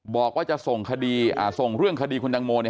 บอกว่าจะส่งคดีอ่าส่งเรื่องคดีคุณดังโมเนี่ย